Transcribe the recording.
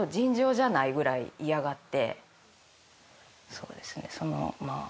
そうですね